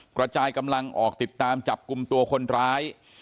กระจายกำลังออกติดตามจับกลุ่มตัวคนร้าย